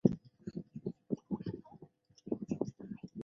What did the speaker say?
然后再绕去买羽绒衣